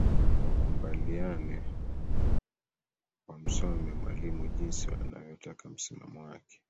wakumbaliane wamsome mwalimu jinsi anavyotaka msimamo wake